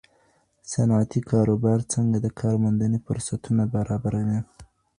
صنعتي کاروبار څنګه د کارموندنې فرصتونه برابروي؟